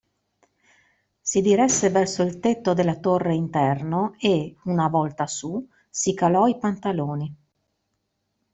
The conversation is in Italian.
Si diresse verso il tetto della torre interno e, una volta su, si calò i pantaloni.